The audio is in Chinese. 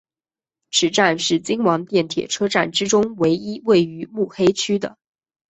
此站是京王电铁车站之中唯一位于目黑区的。